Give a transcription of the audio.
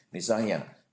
misalnya tidak boleh kubah